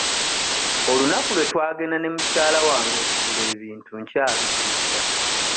Olunaku lwe twagenda ne mukyala wange okugula ebintu nkyalujjukira.